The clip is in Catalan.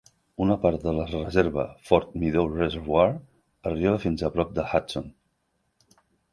Una part de la reserva Fort Meadow Reservoir arriba fins a prop de Hudson.